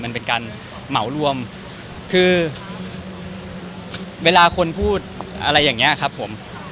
มันเป็นการเหมารวมคือเวลาคนพูดอะไรอย่างเงี้ยครับผม